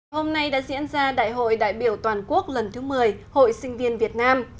hôm nay đã diễn ra đại hội đại biểu toàn quốc lần thứ một mươi hội sinh viên việt nam